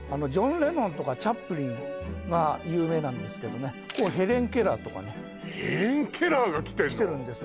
ジョン・レノンとかチャップリンが有名なんですけどねヘレン・ケラーとかねヘレン・ケラーが来てんの？